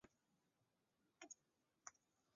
里贝鲁贡萨尔维斯是巴西皮奥伊州的一个市镇。